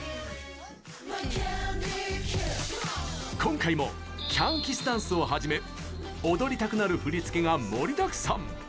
今回もキャンキスダンスをはじめ踊りたくなる振り付けが盛りだくさん！